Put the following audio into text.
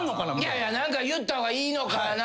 いやいや何か言った方がいいのかな。